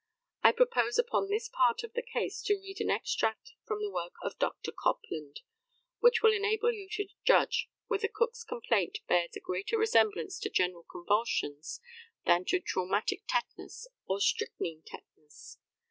I propose upon this part of the case to read an extract from the work of Dr. Copland, which will enable you to judge whether Cook's complaint bears a greater resemblance to general convulsions than to traumatic tetanus or strychnine tetanus.